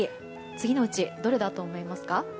次のうち、どれだと思いますか？